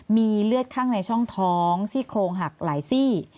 มีเลือดข้างในช่องท้องซี่โครงหักหลายซี่